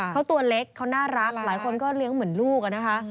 เขาตัวเล็กเขาน่ารักหลายคนก็เลี้ยงเหมือนลูกอะนะคะ